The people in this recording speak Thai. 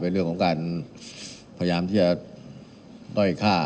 เรื่องของการพยายามที่จะด้อยค่า